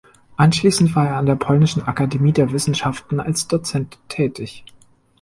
Anschließend war er an der Polnischen Akademie der Wissenschaften als Dozent tätig.